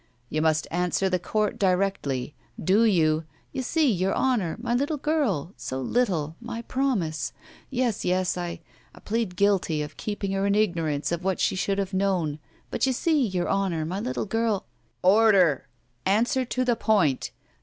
You must answer the Court directly. Do you—* ' You see, Your Honor — ^my little girl — so little — my promise. Yes, yes, I — I plead guilty of keeping her in ignorance of what she should have known, but you see. Your Honor, my little gi —" "Order! Answer to the point.